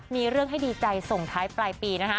มีเรื่องให้ดีใจส่งท้ายปลายปีนะฮะ